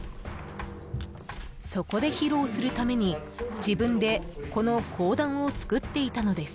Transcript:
［そこで披露するために自分でこの講談を作っていたのです］